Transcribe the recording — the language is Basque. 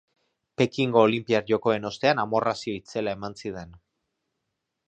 Pekingo olinpiar jokoen ostean amorrazio itzela eman zidan.